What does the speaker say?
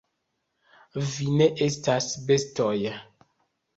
Vi ne estas bestoj!